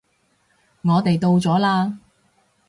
我哋到咗喇